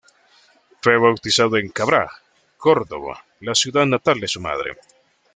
Fue bautizado en Cabra, Córdoba, la ciudad natal de su madre.